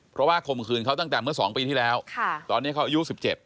เพราะว่าข่มขืนเขาตั้งแต่เมื่อสองปีที่แล้วตอนนี้เขาอายุ๑๗